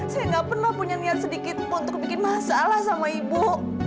saya nggak pernah punya niat sedikit untuk bikin masalah sama ibu